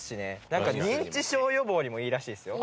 何か認知症予防にもいいらしいですよ。